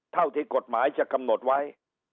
เท่าที่กฎหมายจะกำหนดไว้